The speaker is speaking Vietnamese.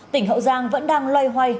tỉnh hậu giang vẫn đang loay hoay